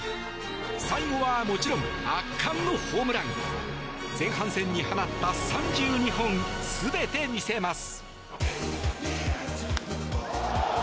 最後はもちろん圧巻のホームラン前半戦に放った３２本全て見せます。